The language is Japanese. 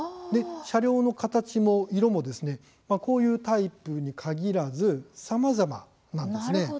車両の形も色もこういうタイプに限らずさまざまなんですね。